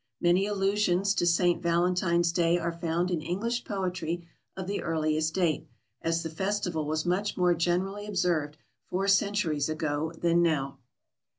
Many allusions to St. Valentine's Day are found in English poetry of the earliest date, as the festival was much more generally observed four centuries ago than now.